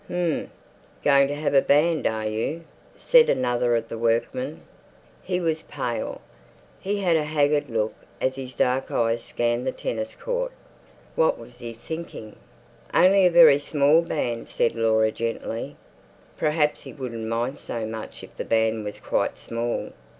"H'm, going to have a band, are you?" said another of the workmen. He was pale. He had a haggard look as his dark eyes scanned the tennis court. What was he thinking? "Only a very small band," said Laura gently. Perhaps he wouldn't mind so much if the band was quite small.